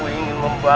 masih ada mungkin